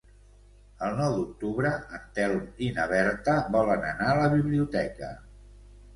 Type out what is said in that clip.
El nou d'octubre en Telm i na Berta volen anar a la biblioteca.